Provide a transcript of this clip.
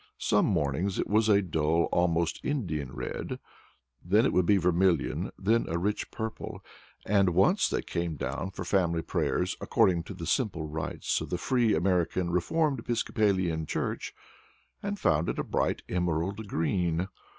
Some mornings it was a dull (almost Indian) red, then it would be vermilion, then a rich purple, and once when they came down for family prayers, according to the simple rites of the Free American Reformed Episcopalian Church, they found it a bright emerald green.